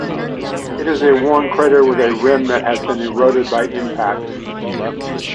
It is a worn crater with a rim that has been eroded by impacts.